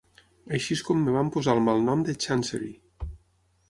Així és com em van posar el mal nom de Chancery.